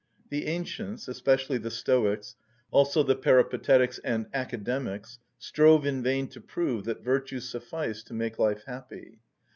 The ancients, especially the Stoics, also the Peripatetics and Academics, strove in vain to prove that virtue sufficed to make life happy.